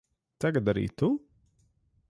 Tagad arī tu?